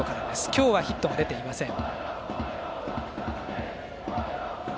今日はヒットが出ていません。